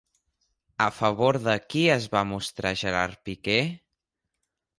A favor de qui es va mostrar Gerard Piqué?